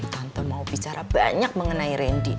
tante mau bicara banyak mengenai randy